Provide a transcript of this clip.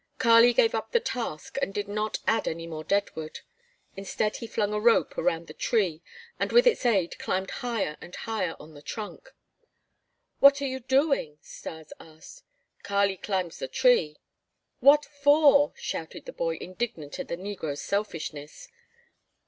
Kali gave up the task and did not add any more deadwood. Instead he flung a rope around the tree and with its aid climbed higher and higher on the trunk. "What are you doing?" Stas asked. "Kali climbs the tree." "What for?" shouted the boy, indignant at the negro's selfishness.